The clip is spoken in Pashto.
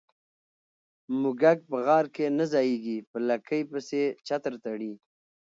ـ موږک په غار کې نه ځايږي، په لکۍ پسې چتر تړي.